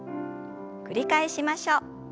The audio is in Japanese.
繰り返しましょう。